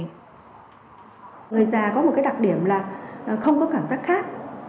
người già có một cái đặc điểm là không có cảm giác khác